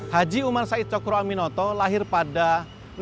haji umar said cokro aminoto lahir pada tahun seribu sembilan ratus enam belas